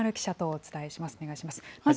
お願いします。